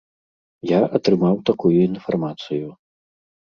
Я атрымаў такую інфармацыю.